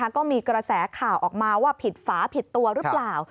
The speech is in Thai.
ก็มีกระแสข่าวออกมาว่าผิดฝาผิดตัวหรือเปล่า